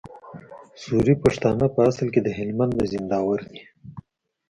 سوري پښتانه په اصل کي د هلمند د زينداور دي